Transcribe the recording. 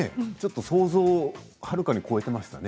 想像をはるかに超えていましたね。